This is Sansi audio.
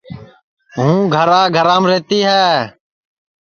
ہوں گھرا گھرام رہتی ہے